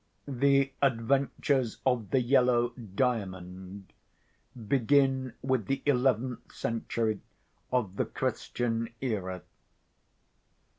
The adventures of the Yellow Diamond begin with the eleventh century of the Christian era.